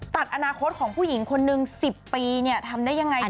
ตัดอาณาโค้ดของผู้หญิงคนหนึ่ง๑๐ปีเนี่ยทำได้ยังไง